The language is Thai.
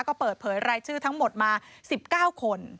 ก็เปิดเผยรายชื่อทั้งหมดมา๑๙คน